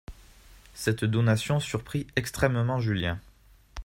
Cette donation surprit extrêmement Julien.